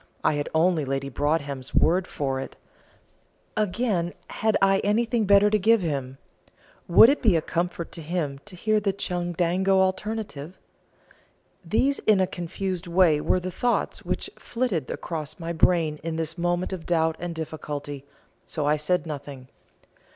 I had only Lady Broadhem's word for it. Again, had I anything better to give him? would it be a comfort to him to hear the Chundango alternative? These in a confused way were the thoughts which flitted across my brain in this moment of doubt and difficulty, so I said nothing.